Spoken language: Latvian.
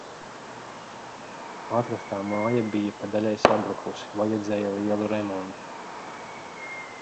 Atrastā māja bija pa daļai sabrukusi, vajadzēja lielu remontu.